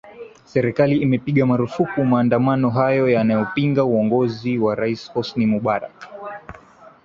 serikali imepiga marufuku maandamano hayo yanayopinga uongozi wa rais hosni mubarak